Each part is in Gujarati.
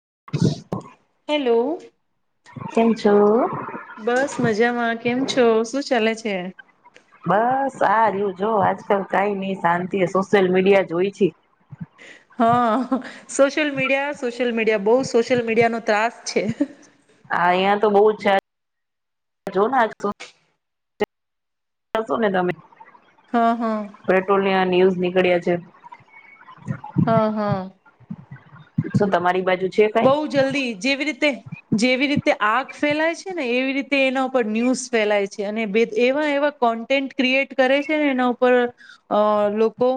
[inaudible] હેલો કેમ છો? બસ મજામાં, કેમ છો? શું ચાલે છે? બસ આ રયુ જો આજકલ કાંઈ નઈ શાંતિ સોશિયલ મીડિયા જોઈ છી. હ સોશિયલ મીડિયા સોશિયલ મીડિયા બહુ સોશિયલ મીડિયાનો ત્રાસ છે. હા અહિયાં તો બહુ છે જ જોવને આજ તો હસો ને તમે હા હા પેટ્રોલના ન્યૂઝ નીકળ્યા છે. હ હ. શું તમારી બા બઉ જલ્દી જેવી રીતે જેવી રી તે આગ ફેલાય છે ને એવી રીતે એના ઉપર ન્યૂસ ફેલાય છે અને બે એવા એવા કોન્ટેન્ટ ક્રિએટ કરે છે ને એના ઉપર અ લોકો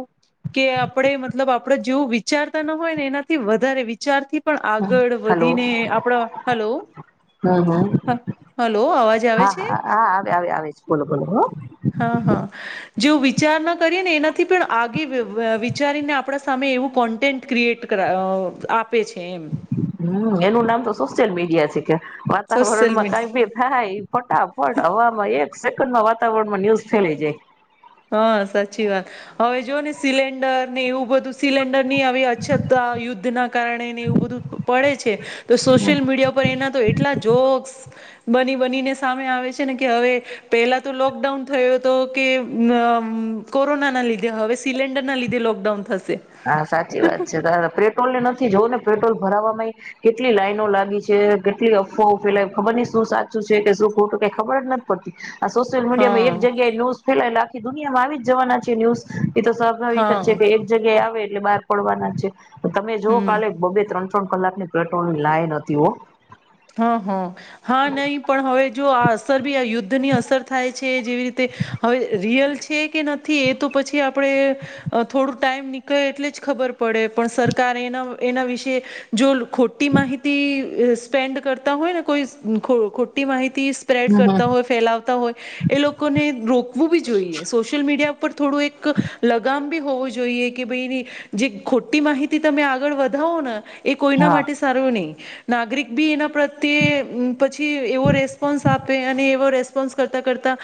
કે આપણે મતલબ આપણે જેવું વિચારતા ના હોય ને એનાથી વધારે વિચારથી પણ આગળ હલો વધીને આપણા હલો હમ હમ હલો અવાજ આવે હા છે? હા હા આવે આવે છે બોલો બોલો હ. હા હા જેવું વિચાર ન કરીએ ને એનાથી પણ આગે વિચારીને આપણા સામે એવું કોન્ટેન્ટ ક્રિએટ કર આપ હમ્મ એનું નામ તો સોસિયલ મિ ડિયા છે કે સોશિયલ વાતાવરણમાં કઈ મીડિયા બી થાય ફટાફટ હવામાં એક સેક વાતાવરણમાં ન્યુઝ ફેલી જાય. હા સાચી વાત હવે જો ને સિલિન્ડરને એવું બધું સિલન્ડર ની આવી અછત આ યુદ્ધ ધ ના કારણે એને એવું બધું પડે છે તો સોશિયલ મીડિયા ઉપર એના તો એટલા જોક્સ બની બનીને સામે આવે છે ને કે હવે પેહલા તો લોકડાઉન થયો હતો કે અમ કોરોનાના લીધે હવે સિલન્ડરના લીધે લોકડાઉન થશે. હા સાચી વાત છે તારા પેટ્રોલની ન થી જોવોને પેટ્રોલ ભરાવા માય કેટલી લાઈનો લાગી છે કેટલી અફવાઓ ફેલાવી ખબર નઈ શું સાચું છે કે શું ખોટું કઈ ખબર જ નથ પડતી. આ સોશિયલ મીડિયામાં એક હા જગ્યા ન્યૂઝ ફેલાય એટલે દુનિયામાં આવી જ જવાના છે ન્યુઝ એ તો સ્વાભાવિક જ હા છેે કે એક જગ્યાએ આવ એટલે બહાર પડવાના છે. તમે જોઓ હમ કાલે બ બેે ત્રણ ત્રણ કલાકની પેટ્રોલની લાઈન હતી હો હ હ હા, નહી પણ હવે જો આ અસર બી આ યુદ્ધની અસર થાય છે. જે જે વી રીતે, હવે રિયલ છે કે નથી એ તો પછી આપણે, અ થોડું ટાઈમ નીકળે એટલે જ ખબર પડે પણ સરકાર એન એના વિશેે, જો લુ ખોટી માહિતી એસ સ્પેન્ડ કરતા હોય ને કોઈ ખો ખોટી માહિત તી સ્પ્રેડ હમ હમ કરતા હોય ફેલાવતા હોય, એ લોકોને રોકવું બી જોઈએ સોશિયલ મીડિયા પણ થોડું એક, લગામ બી હોવું જોઈએ કે ભાઈ, જે ખોટી માહિતી તમે આગળ વધાવો ને એ કોઈના હા માટે સારું નહીં. નાગરિક બી એના પ્રત્યે પછી એવો રેસ્પોન્સ આપે અને એવો રેસ્પોન્સ કરતા કરતા,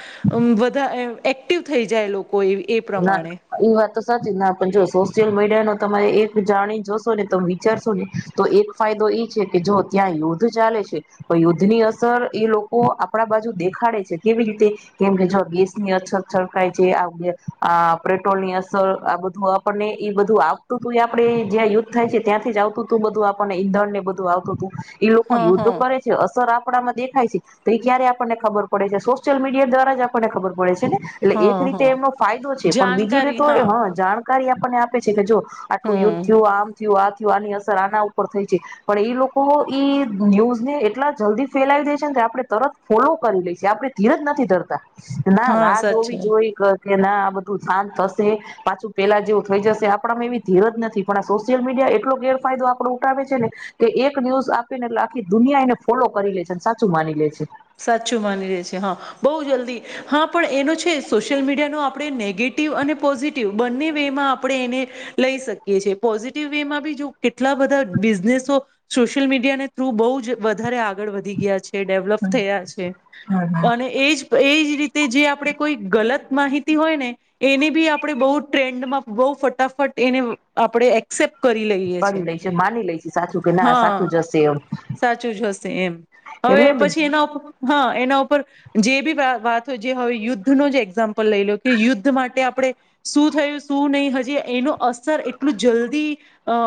બધા એક્ટિવ થઈ જાય લોકો. એ એ ના પ્રમાણે એ વાત તો સાચી ના પણ જો સોસ સોશિલ મીડિયા ન તમે એક જાણી જોશો ને તોમે વિચારશો ને, તો એક ફાયદો એ છે કે જો ત્યાં યુદ્ધ ચાલે છે, તો યુદ્ધ ની અસર એ લોકો આપણા બાજુ દેખાડે છે કેવી રીતે, કેમ કે જો ગેસની અછત છળકાય છે. આ પેટ્રોલની અસર આ બધું આપણને ઈ બધું આવતું તું એ આપડે જ્યાં યુદ્ધ થાય છે ત્યાંથી જ આવતું તું બધું આપણને ઈંધણ ને બધું આવતું તું. એ લોકો હા યુદ્ધો હા કરે છે અસર આપ કપડામાં દેખાય છે તો એ ક્યારે આપણને ખબર પડે છે સોશિયલ મીડિયા દ્વારા જ આપણને ખબર પડે છે એટલે હા એક રીતે હા એનો ફાયદો છે પણ બીજી જાણકારી રીતો એ હા હ જાણકારી આપણને આપ છે કે જો આટલું યુદ્ધ હમ થયું આમ થયું આ થયું જો આની અસર આના ઉપર થઈ છે પણ એ લોકો ઈ ન્યૂઝને એટલા જલ્દી ફેલાવી દે છે ને કે આપણે તરત ફોલો કરી લઈ છી આપણે ધીરજ નથી ધરતા ના હા રાહ જોવી સાચી વાત જોઈ કે ના આ બધુ શાંત થશે પાછુ પેલા જેવુ થઈ જશે આપણામાં એવી ધીરજ નથી પણ આ સોશિયલ મીડિયા એટલો ગેરફાયદો આપણો ઉઠાવે છે ને કે એક ન્યૂઝ આપીને એટલે આખી દુનિયા એને ફોલો કરી લે છે સાચું માની લે છે સાચું માની લે છે હ બહુ જલ્દી હ પણ એનો છે સોશિયલ મીડિયાનો આપણે નેગેટિવ અને પોઝિટિવ બંને વેમાં આપણે એને લઈ શકીએ છીએ પોઝિટિવ વે માં બી જો કેટલા બધા બિઝનેસો સોશિયલ મીડિયાને થ્રુ બહુ જ વધારે આગળ આગળ વધી ગયા છે ડેવલપ થયા છે અને એજ તો એજ રીત તેજે આપડે કોઈ ગલત માહિતી હોય ને એને બી આપણે બો ટ્રેન્ડમાં બહુ ફટાફટ એને આપડે એક્સેપ્ટ કરી લઈએ કરી લેય છે માની લેય છે સાચું કે ના હા સાચું જશે એમ. સાચું જ હશે એમ હવે એટલેને. પછી એના હા, એના ઉપર જેબી વાત જે હોય યુદ્ધનો જે એક્ઝામ્પલ લઈલો કે યુદ્ધ માટે આપડે શું થયું શું નય હજી એનો અસર એટલું જલ્દી અ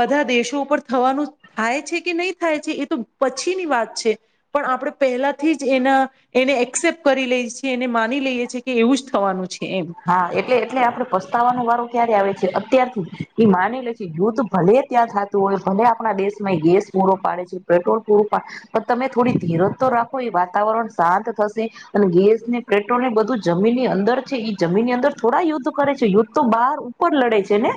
બધાં દેશો ઉપર થવાનું થાય છેકે નય થાય છે એતો પછીની વાત છે. પણ આપડે પહેલાથી જ એના એને એક્સેપ્ટ કરી લેય છે એને માની લઈએ છેકે એવું જ થવાનું છે. એમ હા, એટલે એટલે આપડે પસ્તાવવાનો વારો ક્યારે આવે અત્યારથી એ માની લે છે યુદ્ધ ભલે ત્યાં થાતું હોય ભલે આપણા દેશમાં એ ગેસ પૂરો પાડે છે. પેટ્રોલ પૂરો પાડ પણ તમે થોડી ધીરજ તો રાખો એ વાતાવરણ શાંત થશે અને ગેસને, પેટ્રોલને બધું જમીનની અંદર છે ઈ. જમીનની અંદર થોડા યુદ્ધ કરે છે યુદ્ધ તો બાર ઉપર લડે છેને.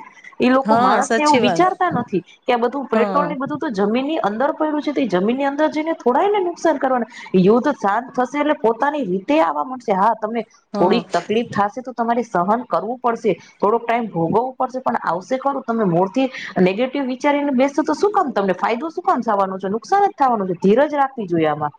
એ લોકો હા માણસને આ સાચી વાત વિચારતા નથી કે આ બધું હા પેટ્રોલને બધું તો જમીનની અંદર પડ્યું છે તો એ જમીનની અંદર જઈને થોડાને નુકસાન કરવાનું યુદ્ધ શાંત થશે એટલે પોતાની રીતે આવવા મળશે હા. તમને હા થોડીક તકલીફ થા તમારે સહન કરવું પડશે થોડોક ટાઈમ ભોગવવું પડશે પણ આવશે ખરું તમે મૂળથી નેગેટિવ વિચારીને બેસો તો શું કામ તમને ફાયદો શું કામ થવાનો છે નુકસાન જ થવાનો છે ધીરજ રાખવી જોઈએ આમાં.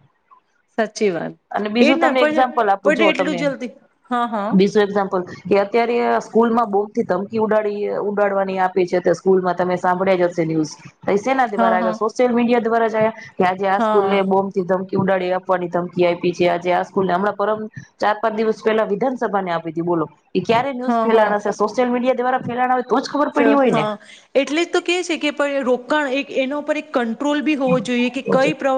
સાચી વાત. અને એજ બીજું ને તમને એક્ઝામ્પલ આપું પણ એટલું જલ્દી હા હા. ઝાપલ કે અત્યારે આ સ્કૂલમાં બોમથી ધમકી ઉડાડી ઉડાડવાની આપી છે તે સ્કૂલમાં તમે સાંભળ્યા જ હશે ન્યૂઝ. તૈ સેના હા દ્વારા હા સોશિલ મીડિયા દ્વારા જ જે કે આજે આ હા સ્કૂલનેય બોમથી ધમકી થી ઉડાડી આપવાની ધમકી આયપી છે આજે આ સ્કૂલ ને. હમણાં પરમ ચાર પાંચ દિવસ પહેલા વિધાનસભાને આપ [unintelligible] બોલો એ ક્યારે ન્યુઝ ફેલાણા છે સોશિલ મીડિયા દ્વારા [unintelligible] છ પડી હોય ને હા એટલે જ તો કે છે કે પ રો એક એના ઉપર એક ક ટ્રોલ બી હોવો જોઈએ કે તો જ કઈ પ્ર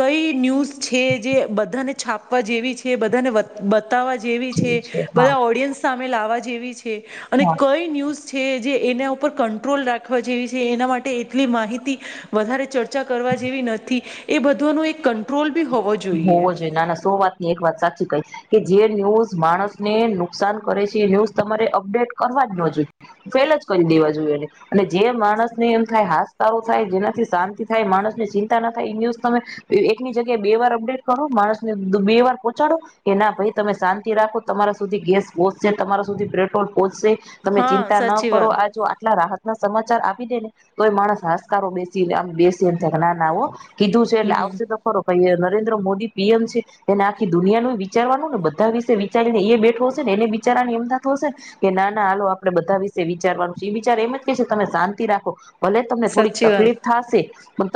કઈ ન્યૂઝ છે જે બધાને. છાપવા જેવી છે એ બધાને બતાવા જેવી છે, જી હા બધા ઓડિયન્સ મે લાવવા જેવી છે. અને હા કઈ ન્યૂઝ છે. છે જે એના ઉપર કંટ્રોલ રાખવા જેવી છે એના માટે એટલી માહિતી, વધારે ચર્ચા કરવા જેવી નથી, એ બધુંનું એક કંટ્રોલ બી હોવો હોવો જોઈએ ના ના સો વાત ની એક વાત. સાચી કહી, કે જે ન્યૂઝ માણસ ને નુકસાન કરે છે એ ન્યૂઝ તમારે અપડેટ કરવા જ ન જોઈએ ફેલ જ કરી દેવા જોઈએ, એને અને જે માણસને એમ થાય હાાસકારારો થાય જેનાથી શાંતિ થાય માણસ ની ચિંતા ના થાય એ ન્યૂઝ તમે એકની જગ્યાએ બે વાર ે કરો માણસને બે વાર પહચાડો, કે ના ભાઈ તમે શાંતિ રાખો તમારા સુધી ગેસ પહોચશે તમારા સુધી પેટ્રોલ પહોચશે. તમે હા ચિંતા ન સાચી કરો વાત આ જો આટલા રાહત ના સમજ આપી દે ને તો માણસ હસ્કારો બેસી બેસી એને ના ના હો. કીધું છે એટલે હમ આવશે તો ખરો કઈ નરેન્દ્ર મોદી પી એમ છે એને આખી દુનિયાનું વિચારવાનું ને બધા વિશે વિચારીને એ બેઠો હશે ને એને વિચારવાની એમ નાતો હશે, કે ના ના આાલ આપડે બધા વિશે વિચારવાનું એ વિચાર એમ જ કે છે તમે શાંતિ રાખો. ભલે તમને થોડીક સાચી વાત તકલીફ થશે.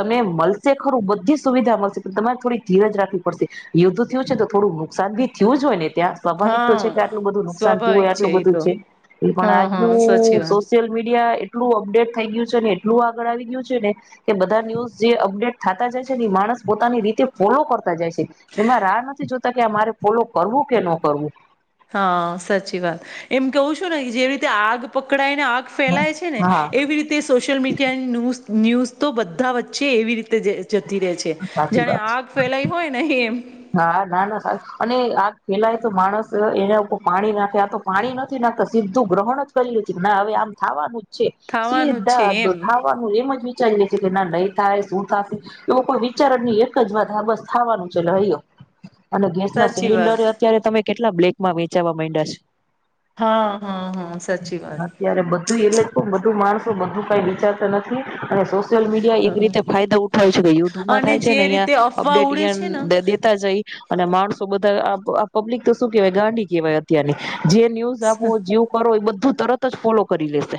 તમે મળશે ખરું બધી સુવિધા મળશે પણ તમારે થોડી ધીર જ રાખવી પડશે, યુદ્ધ થયું છે તો થોડું નુકસાન ભી થયું હોય ને. ત્યાં સ્વાભાવિક તો છે કે હા આટલું બધું નુકસાન થયું સ્વાભાવિક હોય આટલું એ બધું તો છે, એ પણ હા હા સાચી આજનું વાત સોશિયલ મીડિયા એટલું અપડેટ થઈ ગયું છે એટલું આગળ આવી ગયું છે ને, કે બધા ન્યૂઝ જે અપડેટ થતા જાય છે ને માણસ પોતાની રીતે ફોલો કરતા જાય છે, એમાં રાહ નથી જોતા કે મારે ફોલો કરવું કે ન કરવું. હા સાચી વાત, એમ કવું છું ને જેવી રીતે આગ પકડાય. આગ ફેલાય છે ને, હા એવી રીતે સોશિયલ મીડિયાની ન્યૂઝ ન્યૂઝ તો બધા વચ્ચે એવી રીતે જે જતી રહે છે, સાચી જાને વાત છે. આગ ફેલાઈ હોય ને એમ. હા ના ના સારું અને આગ ફેલાય તો માણસ એના ઉપર પાણી નાખે આ તો પાણી નથી નાખતા સીધું ગ્રહણ જ કરલ્યું છે ના હવે આમ થવાનું. છે, થવાનું જ છે સીધા એમ દોઠાવાનું એમજ ચાએ છી કે ના નહીં થાય શું થશે, એવો કોઈ વિચારણ ની એક જ વાત આ બસ થવાનું છે હ. અને ગેસ ના સાચી વાત સિલિન્ડર અત્યારે તમે કેટલા બ્લેક માં વેચાવા મયડા છે. હા હા હા સાચી વાત. અત્યારે બધું એટલે જ માણસો બું કઈ વિચારતા નથી, અને લ મીડિયા એક રીતે હ ફાયદો ઉઠાવે છે કે યુદ્ધમાં અને થાય છે ને, જે અં રીતે અફવા ઉડે છે ને અપડેટ અ અને માણસો બધા પબ્લિક તો શું કેવાય ગાંડી કેવાય અત્યારની. જે ન્યૂઝ આપો જે કરો એ બધું તું તરત જ ફોલો કરી લેશે.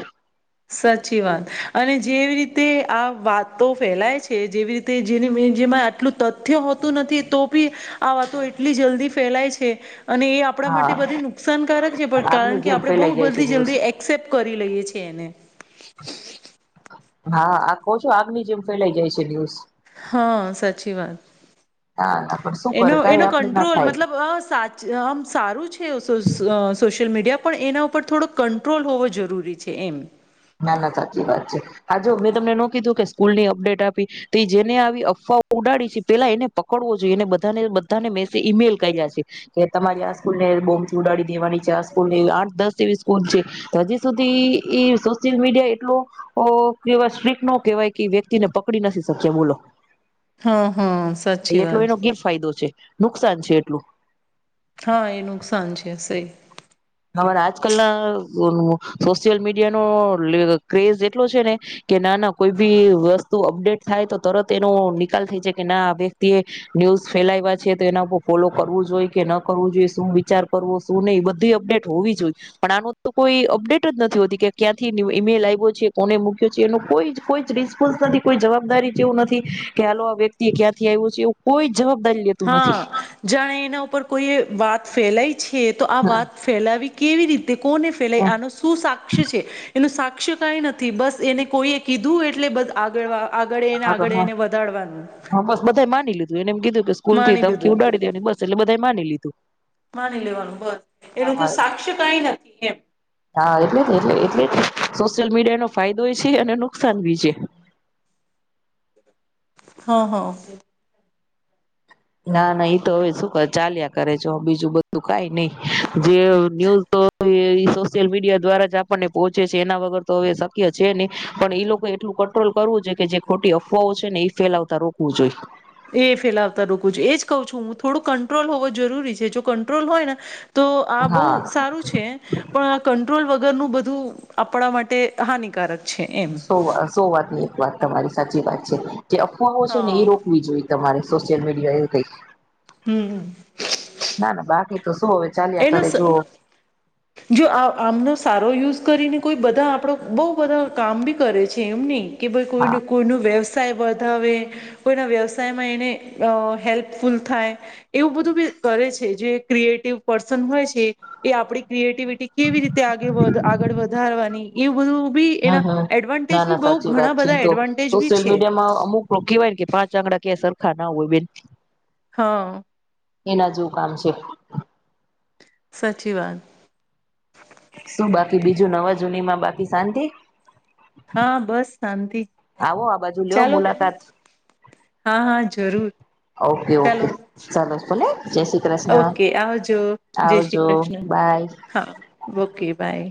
સાચી વાત, અને જેવી રીતે આ વાતો ફેલાય છે જેવી રીતે જેની જેમાં આટલું તથ્ય હોતું નથી તો ભી, આ વાતો એટલી જલ્દી ફેલાય છે. અને એ આપણા હા માટે બધી નુકસાનકારક છે પણ કારણ આગની કે જેમ આપણે બો ફેલાઈ જાય છે બધી ન્યૂઝ જલ્દી એક્સેપ્ટ કરી લઈએ છીએ એને. હા આ કોવ છો આગની જેમ ફેલાઈ જાય છે ન્યુસ. હા સાચી વાત, હા પણ શું એનો કરે કઈ એનો આપડે ના કંટ્રોલ થાય મતલબમ સારું છે, આમ સોય સોશિલ મીડિયા પણ એના ઉપર થોડો કંટ્રોલ હોવો જરૂરી છે એમ. ના ના સાચી વાત છે. હા જો મેં તમને નો કીધું કે સ્કૂલ ની અપડેટ આપી તો જેને આવી અફવાઓ ઉડાડી છે પેલા એને પકડવો જોઈએ એને બધાને બધાને મેસ ઈમેલ કર્યા છે કે તમારી આ સ્કૂલ ને બોમ્ થી ઉડાડી દેવાની છે. આ સ્કૂલ ને આઠ દસ જેવી સ્કૂલ છે હજી સુધી ઈ ઈ સો યલ મીડિયા એટલુ અ સ્ટ્રીક્ટ ન કેવાય કે એ વ્યક્તિને પકડી નથી શક્યા બોલો હા હા સાચી એટલો વાત. એનો ગેરફાયદો છે નુકસાન છે એટલું. હા એ નુકસાન છે સહી. હમણા આજકાલ ના અ સોશિયલ મીડિયાનો લે ક્રેઝ એટલો છે ને કે નાના કોઈ ભી વસ્તુ અપડેટ થાય તો તરત એનો નિકાલ થાય છે કે ના આ વ્યક્તિ એ ન્યૂઝ ફેલાવ્યા છે તો એના ઉપ ફોલો કરવું જોઈએ કે ન કરવું જોઈએ શું વિચાર કરવો શું નહી બધી અપડેટ હોવી જોઈએ પણ આનો તો કોઈ અપડેટ જ નથી હોતી કે ક્યાંથી ઈમેલ આવ્યો છે કોને મૂક્યો છે એ કોઈ કોઈ જ રિસ્પોન્સ નથી કોઈ જવાબદારી જેવું નથી કે હાલો આ વ્યક્તિ ક્યાંથી આવ્યું છે એવું કોઈ જવાબદારી લેતું હા નથી. જાણે એના ઉપર કોઈએ વાત ફેલાઈ છે તો આ હા વાત ફેલાવી કેવી રીતે તે કોને ફેલાય આનો શું સાક્ષી છે એનું સાક્ષ્ય કંઈ નથી બસ એને કોઈએ કીધું એટલે બસ આગળ વા આગળ એને હા આગળ હા એને વધારવાનું. હા બસ બધાએ માની લીધું એને એમ કીધું કે સ્કૂલ થી માની ધમકી લીધું ઉડાડી દે બસ એટલે બ બધાએ માની લીધું માની લેવાનું બસ એનું કે હા સાક્ષી કઈ નથી એમ હા એટલે એટ એટલે સોશિયલ મીડિયા નો ફાયદો છે અને નુકસાન ભી છે હ હ ના ના એઈ તો હવે શું ચાલ્યા કરે છે બીજું બધું કઈ નહી જે ન્યૂઝ તો સોશિયલ મીડિયા દ્વારા જ આપણને પોહોચે છે એના વગર તો હવે શક્ય છે નહી પણ એઈ લોકો એટલું કંટ્રોલ કરવું જો કે જે ખોટી અફવાઓ છે ને એ ફેલાવતા રોકવું જોઈ એ ફેલાવતા રોકું છું એજ કહું છું હું થોડું કંટ્રોલ હોવો જરૂરી છે જો કંટ્રોલ હોય ને તો આ બહુ હા. સારું છે પણ આ કંટ્રોલ વગ વગર નું બધું આપણા માટે હાનિકારક છે એમ સો સો વાત ની એક વાત તમારી સાચી વાત છે જે અફવાઓ છે ને હા એ રોકવી જોઈએ તમારે સોશિયલ મીડિયા એ કઈ હમ ના ના બાકી તોસું હવે ચાલ્યા એનો કરે સ જોઓ જો આ આમનો સારો યુઝ કરીને કોઈ બધા આપણો બો બધા કામ ભી કરે છે એમ નહીં કે ભાઈ કોઈ ન હા કોઈ ન વ્યવસાય વધ કોઈના વ્યવસાયમાં એને હેલ્પફુલ થાય એવું બધું બ કરે છે જે ક્રિએટિવ પર્સન હોય છે એ આપડી ક્રિએટિવિટી કેવી રી ્યા આગે વધ આગળ વધારવાની એવું બધું બી હમ એના હ ના એડવાન્ટેજ બી ના બહુ સાચી વાત ઘણા છેી બધા તો એડવાન્ટેજ બી સોશિયલ છે મીડિયા માં અમુક કવાય ને કે પાંચ આંગડા ક સર ખા ઉવે બન હા એના જેવું કામ છે સાચી વાત શું બાકી બીજું નવા જૂનીમાં બાકી શાંતિ હા બસ શાંતિ આવો આ બાજુ લ્યો ચાલો મુલાકાત હા હા જરૂર ઓકે ઓકે ચાલો ચાલો બોલે ઓકે આવજો જય શ્રી આવજો કૃષ્ણ બાય હા ઓકે બાય